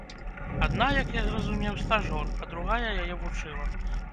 Адна, як я зразумеў, стажор, а другая яе вучыла.